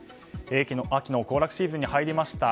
秋の行楽シーズンに入りました